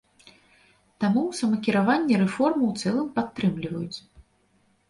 Таму ў самакіраванні рэформу ў цэлым падтрымліваюць.